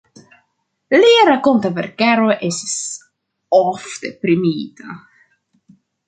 Lia rakonta verkaro estis ofte premiita.